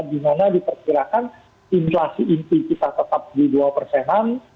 dimana diperkirakan inflasi inti bisa tetap di dua persenan